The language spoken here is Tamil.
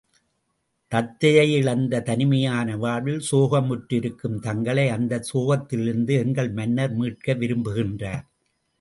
தத்தையை இழந்து தனிமையான வாழ்வில் சோகமுற்றிருக்கும் தங்களை அந்தச் சோகத்திலிருந்து எங்கள் மன்னர் மீட்க விரும்புகின்றார்.